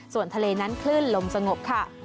ส่วนทะเลนั้นคลื่นลมสงบค่ะ